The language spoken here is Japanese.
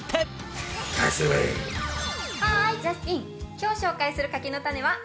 今日紹介する柿の種はこちら。